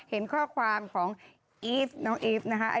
เห็นข้อความของอีฟน้องอีฟนะคะ